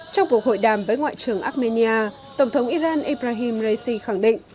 trong cuộc hội đàm với ngoại trưởng armenia tổng thống iran ibrahim raisi khẳng định